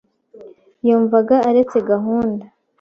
Yumvaga aretse gahunda.